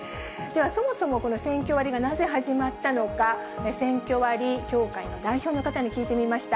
そもそもこの選挙割がなぜ始まったのか、選挙割協会の代表の方に聞いてみました。